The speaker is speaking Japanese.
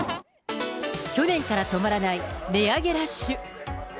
去年から止まらない値上げラッシュ。